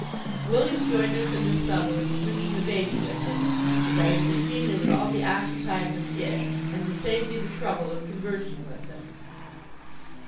William joined us in the suburbs, bringing the baby with him, as I had foreseen they would all be occupied with it, and to save me the trouble of conversing with them.